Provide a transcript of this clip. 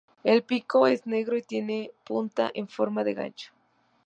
El pico es negro y tiene punta en forma de gancho.